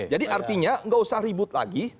jadi artinya gak usah ribut lagi